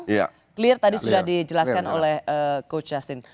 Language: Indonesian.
karena clear tadi sudah dijelaskan oleh coach yassin